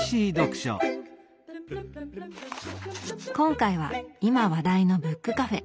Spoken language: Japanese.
今回は今話題のブックカフェ。